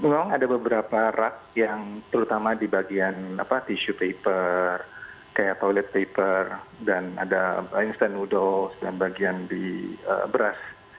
memang ada beberapa rak yang terutama di bagian tisu paper kayak toilet paper dan ada wingstant wudles dan bagian di beras